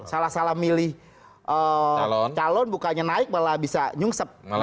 salah salah milih calon bukannya naik malah bisa nyungsep